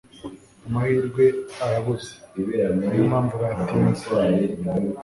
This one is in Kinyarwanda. Amahirwe arabuze, niyo mpamvu batinze. (wma)